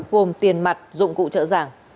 gồm tiền mặt dụng cụ trợ giảng